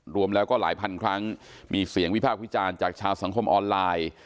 รวมแล้วก็หลายพันครั้งมีเสียงวิพากษ์วิจารณ์จากชาวสังคมออนไลน์